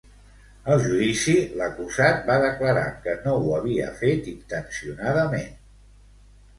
Al judici, l'acusat va declarar que no ho havia fet intencionadament.